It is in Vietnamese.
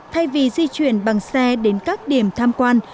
thay vì di chuyển bằng xe đến các điểm tham quan